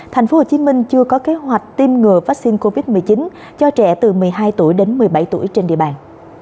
tp hcm chưa có kế hoạch tiêm ngừa vaccine covid một mươi chín cho trẻ từ một mươi hai tuổi đến một mươi bảy tuổi trên địa bàn